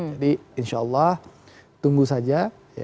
jadi insya allah tunggu saja